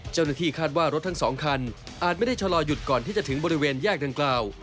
เจ้าหน้าที่คาดว่ารถทั้งสองคันอาจไม่ได้ชะลอหยุดก่อนที่จะถึงบริเวณแยกดังกล่าว